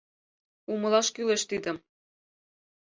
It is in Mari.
Умылаш кӱлеш тидым!